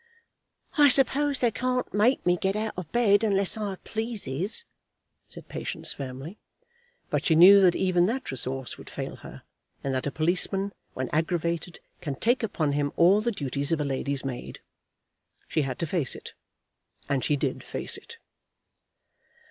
"I suppose they can't make me get out of bed unless I pleases," said Patience firmly. But she knew that even that resource would fail her, and that a policeman, when aggravated, can take upon him all the duties of a lady's maid. She had to face it, and she did face it.